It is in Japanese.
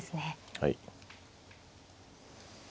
はい。